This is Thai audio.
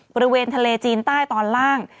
บริเวณทะเลจีนใต้ตอนล่าง